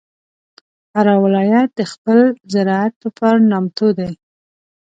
فراه ولایت د خپل زراعت په پار نامتو دی.